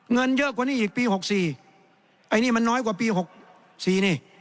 เงินเยอะกว่านี้อีกปี๖๔ไอ้นี่มันน้อยกว่าปี๖๔นี่